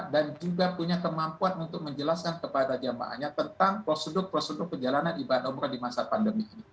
dan juga punya kemampuan untuk menjelaskan kepada jambahannya tentang prosedur prosedur perjalanan ibadah umroh di masa pandemi